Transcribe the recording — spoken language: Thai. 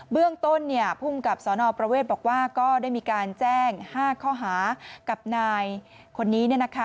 เรื่องต้นภูมิกับสนประเวทบอกว่าก็ได้มีการแจ้ง๕ข้อหากับนายคนนี้